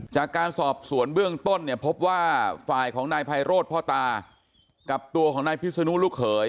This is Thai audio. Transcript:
จากการสอบสวนเบื้องต้นเนี่ยพบว่าฝ่ายของนายไพโรธพ่อตากับตัวของนายพิศนุลูกเขย